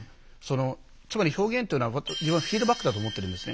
つまり表現っていうのは自分はフィードバックだと思ってるんですね。